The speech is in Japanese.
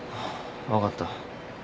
分かった。